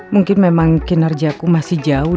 mungkin memang kinerja aku masih jauh